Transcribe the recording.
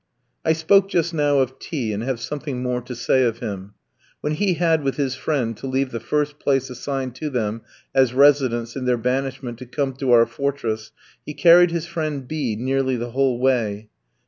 I spoke just now of T ski, and have something more to say of him. When he had with his friend to leave the first place assigned to them as residence in their banishment to come to our fortress, he carried his friend B nearly the whole way.